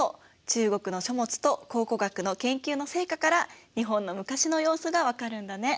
中国の書物と考古学の研究の成果から日本の昔の様子が分かるんだね。